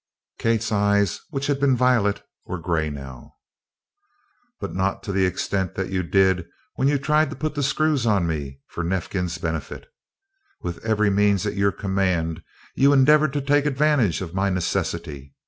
Kate's eyes which had been violet were gray now. "But not to the extent that you did when you tried to put the screws on me for Neifkins' benefit. With every means at your command you endeavored to take advantage of my necessity.